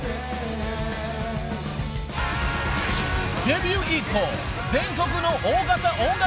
［デビュー以降全国の］